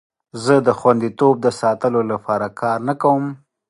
زه د خوندیتوب د ساتلو لپاره نه کار کوم.